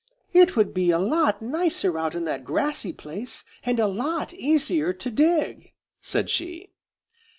"It would be a lot nicer out in that grassy place, and a lot easier to dig," said she.